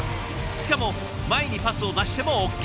しかも前にパスを出してもＯＫ。